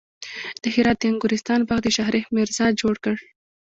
د هرات د انګورستان باغ د شاهرخ میرزا جوړ کړ